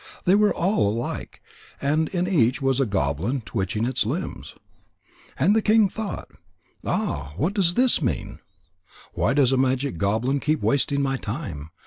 They were all alike, and in each was a goblin twitching its limbs. And the king thought: "Ah, what does this mean? Why does that magic goblin keep wasting my time?